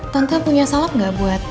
tante punya salam gak buat